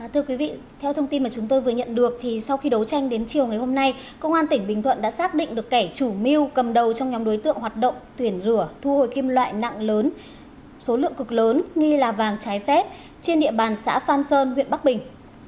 thưa quý vị theo thông tin mà chúng tôi vừa nhận được thì sau khi đấu tranh đến chiều ngày hôm nay công an tỉnh bình thuận đã xác định được kẻ chủ mưu cầm đầu trong nhóm đối tượng hoạt động tuyển rửa thu hồi kim loại nặng lớn số lượng cực lớn nghi là vàng trái phép trên địa bàn xã phan sơn huyện bắc bình